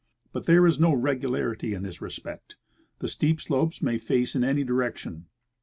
But there is no regularity in this respect ; the steep slojDes may face in any direction.